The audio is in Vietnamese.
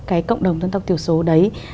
cộng đồng dân tộc thiểu số đấy